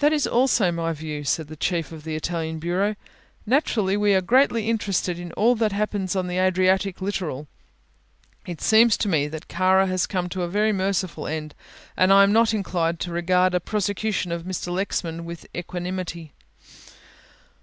"That is also my view," said the Chief of the Italian bureau; "naturally we are greatly interested in all that happens on the Adriatic littoral. It seems to me that Kara has come to a very merciful end and I am not inclined to regard a prosecution of Mr. Lexman with equanimity."